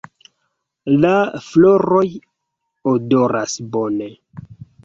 La floroj odoras bone.